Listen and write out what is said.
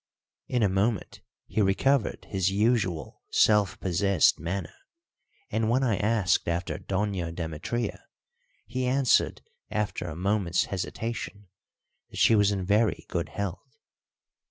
In a moment he recovered his usual self possessed manner, and when I asked after Doña Demetria he answered after a moments hesitation that she was in very good health.